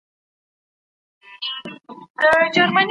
له کبر او غرور څخه ځان وساتئ.